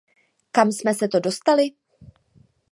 Kam jsme se to dostali?